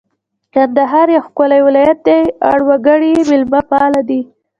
کندهار یو ښکلی ولایت دی اړ وګړي یې مېلمه پاله دي